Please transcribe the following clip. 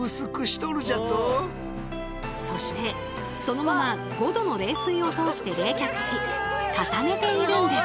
そしてそのまま５℃の冷水を通して冷却し固めているんです。